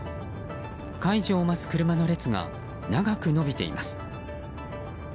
解除を待つ車の列が長く延びています。